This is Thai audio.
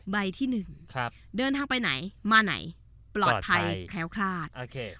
ใบที่หนึ่งครับเดินทางไปไหนมาไหนปลอดภัยแคล้วคลาดโอเค